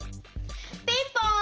ピンポン！